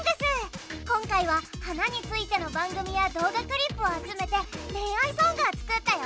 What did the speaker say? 今回は花についての番組や動画クリップを集めて恋愛ソングを作ったよ。